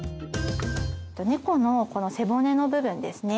ネコの背骨の部分ですね。